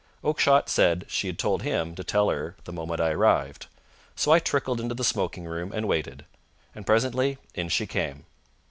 Oakshott said she had told him to tell her the moment I arrived; so I trickled into the smoking room and waited, and presently in she came.